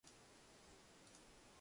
弘法筆を選ばず